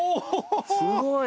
すごい。